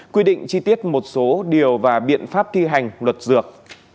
quy định chi tiết một số điều và biện pháp thi hành luật dược